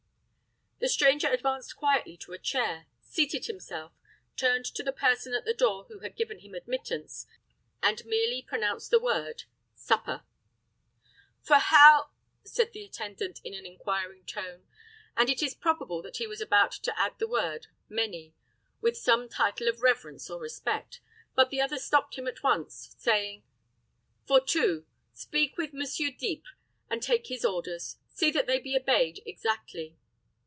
The stranger advanced quietly to a chair, seated himself, turned to the person at the door who had given him admittance, and merely pronounced the word "Supper." "For how " said the attendant, in an inquiring tone, and it is probable that he was about to add the word "many," with some title of reverence or respect, but the other stopped him at once, saying, "For two speak with Monsieur D'Ipres, and take his orders. See that they be obeyed exactly."